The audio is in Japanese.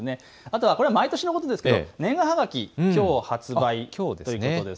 これは毎年のことですが年賀はがき、きょう発売です。